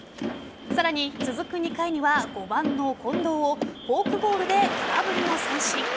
さらに続く２回には５番の近藤をフォークボールで空振りの三振。